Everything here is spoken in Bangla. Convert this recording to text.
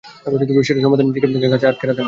সেটার সমাধান নিজেকে খাচায় আটকে রাখা নয়।